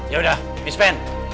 yaudah miss pen